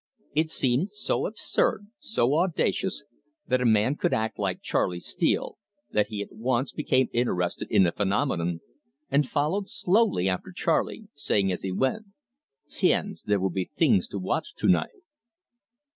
It seemed so absurd, so audacious, that a man could act like Charley Steele, that he at once became interested in the phenomenon, and followed slowly after Charley, saying as he went: "Tiens, there will be things to watch to night!"